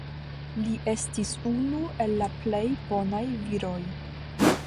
Li estis unu el la plej bonaj viroj.